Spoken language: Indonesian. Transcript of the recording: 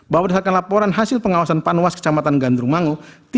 bahwa di hadapan laporan hasil pengawasan panuas kecamatan gandrumangu